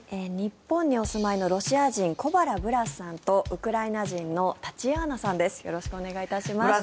日本にお住まいのロシア人小原ブラスさんとウクライナ人のタチヤーナさんです。